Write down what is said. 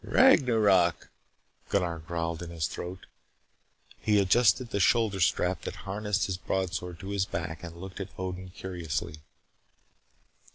"Ragnarok," Gunnar growled in his throat. He adjusted the shoulder strap that harnessed his broadsword to his back and looked at Odin curiously.